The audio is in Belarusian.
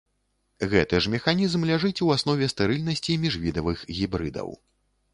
Гэты ж механізм ляжыць у аснове стэрыльнасці міжвідавых гібрыдаў.